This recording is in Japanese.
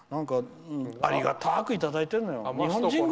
ありがたくいただいてるのよ。